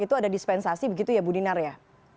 itu ada dispensasi begitu ya bu dinar ya